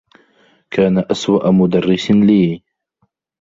كان أسوء مدرّس لي.